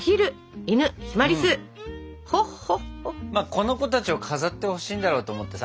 この子たちを飾ってほしいんだろうと思ってさ。